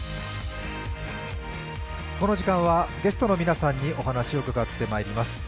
この時間はゲストの皆さんにお話を伺ってまいります。